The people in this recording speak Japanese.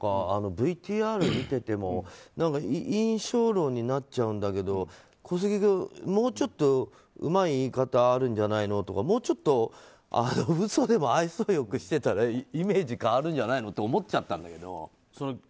ＶＴＲ見ていても印象論になっちゃうんだけど小杉君、もうちょっとうまい言い方あるんじゃないのとかもうちょっと嘘でも愛想よくしてたらイメージ変わるんじゃないのとか思っちゃったけど。